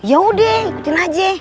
yaudah ikutin aja